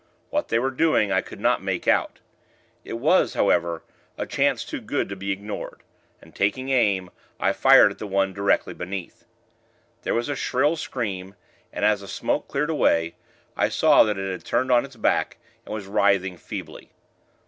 What they were doing, I could not make out. It was, however, a chance too good to be ignored; and, taking aim, I fired at the one directly beneath. There was a shrill scream, and, as the smoke cleared away, I saw that it had turned on its back, and was writhing, feebly.